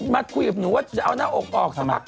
มาคุยกับหนูว่าจะเอาหน้าอกออกสักพัก